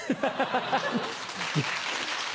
ハハハ！